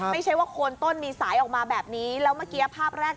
ไม่ใช่ว่าโคนต้นมีสายออกมาแบบนี้แล้วเมื่อกี้ภาพแรก